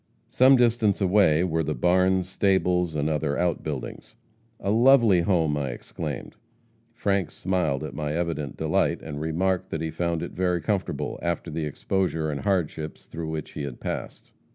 Some distance away were the barns, stables and other outbuildings. 'A lovely home!' I exclaimed. Frank smiled at my evident delight, and remarked that he found it very comfortable, after the exposure and hardships through which he had passed.